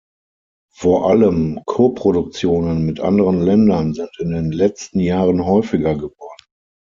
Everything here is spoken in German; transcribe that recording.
Vor allem Koproduktionen mit anderen Ländern sind in den letzten Jahren häufiger geworden.